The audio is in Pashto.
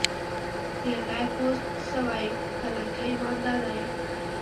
سيرلى پوست سوى ، په لکۍ مانده دى.